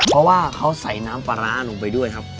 เพราะว่าเขาใส่น้ำปลาร้าลงไปด้วยครับ